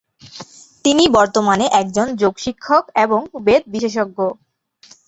তিনি বর্তমানে একজন যোগ শিক্ষক এবং বেদ বিশেষজ্ঞ।